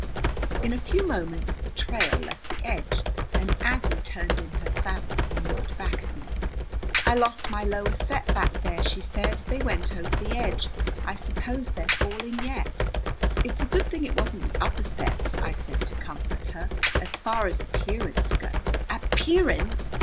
In a few moments the trail left the edge, and Aggie turned in her saddle and looked back at me. "I lost my lower set back there," she said. "They went over the edge. I suppose they're falling yet." "It's a good thing it wasn't the upper set," I said, to comfort her. "As far as appearance goes " "Appearance!"